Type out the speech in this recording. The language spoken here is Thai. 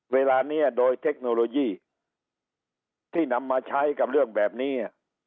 เวลานี้โดยเทคโนโลยีที่นำมาใช้กับเรื่องแบบนี้